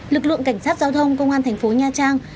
lực lượng cảnh sát giao thông công an thành phố nha trang